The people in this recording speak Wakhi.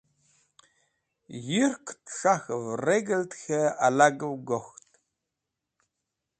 Yũrkẽt s̃hak̃hv regẽld k̃hẽ alagẽv gokht.